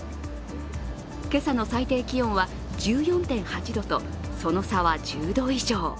今朝の最低気温は１４．８度と、その差は１０度以上。